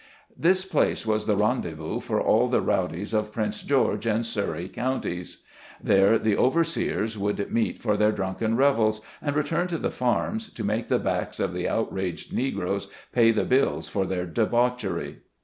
This place was the rendezvous for all the rowdies of Prince George and Surrey Counties. There the overseers would meet for their drunken revels, and return to the farms, to make the backs of the out raged Negroes pay the bills for their debauchery.